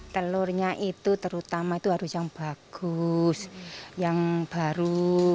telurnya itu terutama itu harus yang bagus yang baru